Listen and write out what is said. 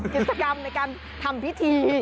กิจกรรมในการทำพิธี